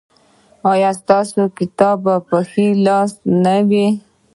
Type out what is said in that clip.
ایا ستاسو کتاب به په ښي لاس نه وي؟